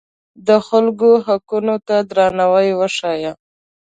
د خلکو حقونو ته درناوی وښیه.